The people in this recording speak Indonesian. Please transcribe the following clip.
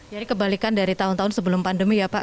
jadi kebalikan dari tahun tahun sebelum pandemi ya pak